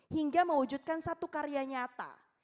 hingga mewujudkan satu karya nyata